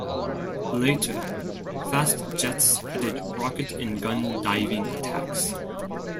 Later, fast jets added rocket and gun diving attacks.